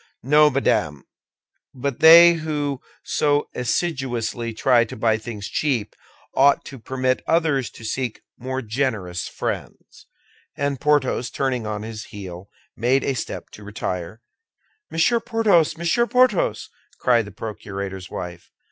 "No, madame; but they who so assiduously try to buy things cheap ought to permit others to seek more generous friends." And Porthos, turning on his heel, made a step to retire. "Monsieur Porthos! Monsieur Porthos!" cried the procurator's wife.